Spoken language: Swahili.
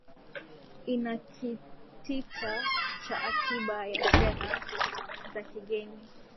inakitita cha akiba ya fedha za kigeni